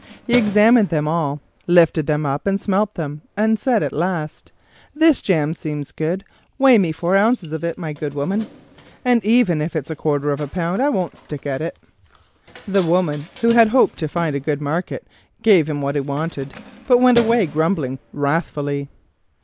He examined them all, lifted them up and smelt them, and said at last: "This jam seems good; weigh me four ounces of it, my good woman; and even if it's a quarter of a pound I won't stick at it." The woman, who had hoped to find a good market, gave him what he wanted, but went away grumbling wrathfully.